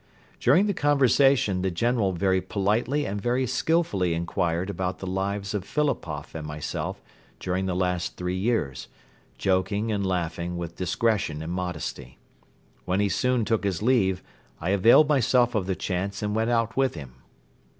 During the conversation the General very politely and very skilfully inquired about the lives of Philipoff and myself during the last three years, joking and laughing with discretion and modesty. When he soon took his leave, I availed myself of the chance and went out with him.